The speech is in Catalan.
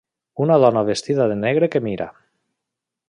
Una dona vestida de negre que mira